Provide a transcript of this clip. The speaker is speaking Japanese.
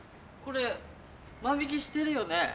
これ万引きしてるよね？